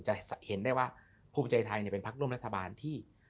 จะเห็นได้ว่าภูมิใจไทยเป็นพักร่วมรัฐบาลที่